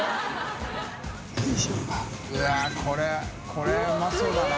Δこれうまそうだな。